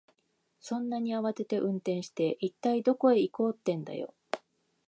そんなに慌てて運転して、一体どこへ行こうってんだよ。